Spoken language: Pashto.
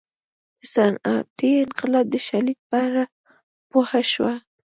د صنعتي انقلاب د شالید په اړه پوه شو.